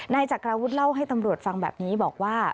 จักรราวุฒิเล่าให้ตำรวจฟังแบบนี้บอกว่า